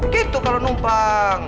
gitu kalau numpang